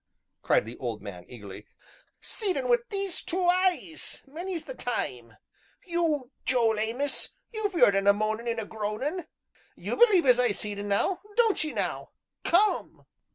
cried the old man eagerly, "seed un wi' these two eyes, many's the time. You, Joel Amos you've 'eerd un a moanin' an' a groanin' you believe as I seed un, don't 'ee now come?"